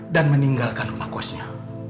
dan meninggalkan rumah kosnya